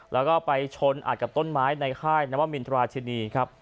แล้วก็ไปชนอัดกับต้นไม้ในค่ายนวมินทราชินีครับ